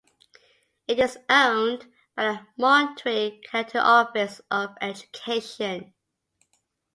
It is owned by the Monterey County Office of Education.